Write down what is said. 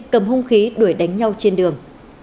cầm hung khí đuổi đánh nhau trên đường